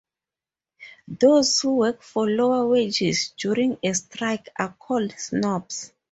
Those who work for lower wages during a strike are called snobs.